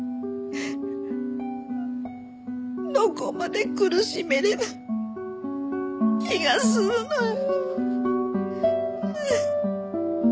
どこまで苦しめれば気が済むのよ。